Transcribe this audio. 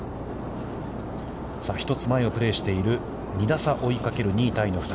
さあ１つ前をプレーしている２打差を追いかける、２位タイの２人。